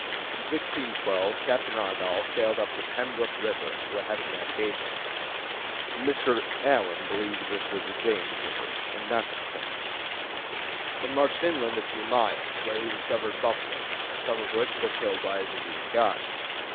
In 1612 Captain Argoll sailed up the "Pembrook River" to the head of navigation (Mr. Allen believes this was the James River, and not the Potomac) and marched inland a few miles, where he discovered buffaloes, some of which were killed by his Indian guides.